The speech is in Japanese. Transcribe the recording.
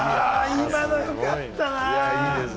今の良かったなぁ。